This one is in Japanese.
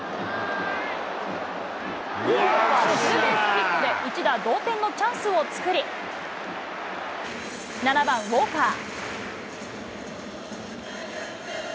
ツーベースヒットで一打同点のチャンスを作り、７番ウォーカー。